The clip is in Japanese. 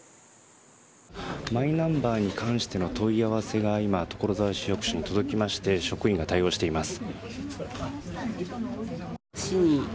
マイナンバーに関しての問い合わせが今、所沢市役所に届きまして職員が対応しています。